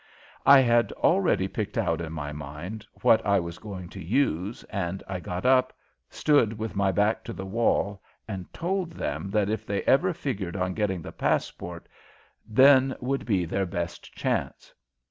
I had already picked out in my mind what I was going to use, and I got up, stood with my back to the wall, and told them that if they ever figured on getting the passport, then would be their best chance.